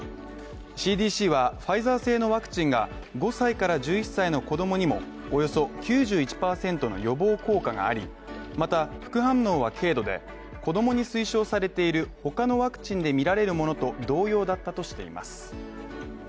ＣＤＣは、ファイザー製のワクチンが、５歳から１１歳の子供にもおよそ９１％の予防効果がありまた副反応は軽度で、子供に推奨されている他のワクチンで見られるものと同様だったとしています。